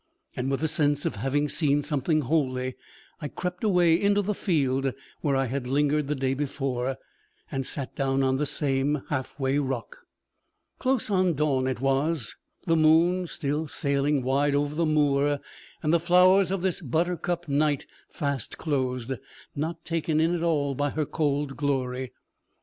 And with the sense of having seen something holy, I crept away up into the field where I had lingered the day before, and sat down on the same halfway rock. Close on dawn it was, the moon still sailing wide over the moor, and the flowers of this 'buttercup night' fast closed, not taken in at all by her cold glory!